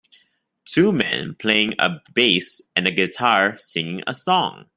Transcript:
Two men playing a bass and a guitar singing a song.